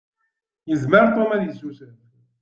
Yezmer Tom ad icucef.